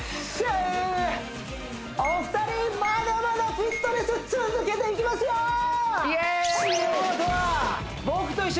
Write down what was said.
お二人まだまだフィットネス続けていきますよイエーイ！